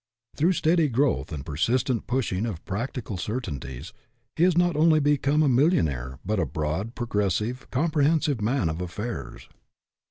Through steady growth and persistent pushing of practical certainties, he has not only become a millionaire, but a broad, progressive, compre hensive man of affairs.